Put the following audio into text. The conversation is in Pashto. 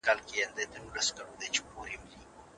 د پښتو د تلپاتې کېدو لپاره په یووالي سره هڅې وکړئ.